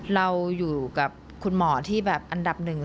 เราอยู่กับคุณหมอที่แบบอันดับหนึ่ง